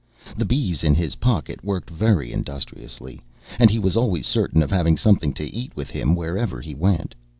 The bees in his pocket worked very industriously, and he was always certain of having something to eat with him wherever he went.